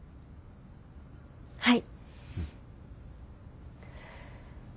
はい。